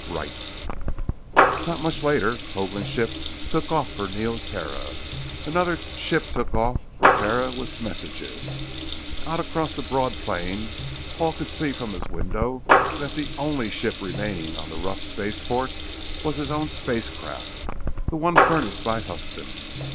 "Right." Not much later, Hoagland's ship took off for Neoterra. Another ship took off for Terra with messages. Out across the broad plain, Paul could see from his window that the only ship remaining on the rough spaceport was his own spacecraft; the one furnished by Huston.